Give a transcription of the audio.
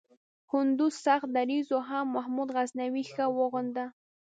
هندو سخت دریځو هم محمود غزنوي ښه وغنده.